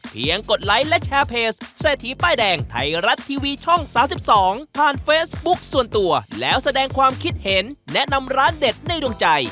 กดไลค์และแชร์เพจเศรษฐีป้ายแดงไทยรัฐทีวีช่อง๓๒ผ่านเฟซบุ๊กส่วนตัวแล้วแสดงความคิดเห็นแนะนำร้านเด็ดในดวงใจ